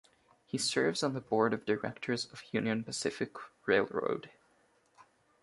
He serves on the Board of Directors of Union Pacific Railroad.